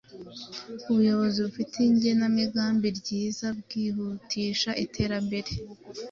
Ubuyobozi bufite igenamigambi ryiza bwihutisha iterambere